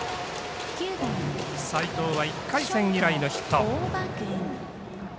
齋藤は１回戦以来のヒット。